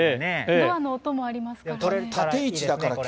ドアの音もありますからね。